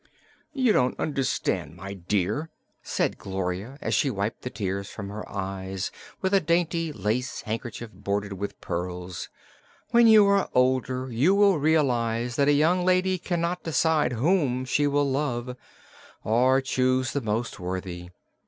"You don't understand, my dear," said Gloria, as she wiped the tears from her eyes with a dainty lace handkerchief bordered with pearls. "When you are older you will realize that a young lady cannot decide whom she will love, or choose the most worthy.